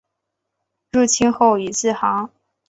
入清后以字行。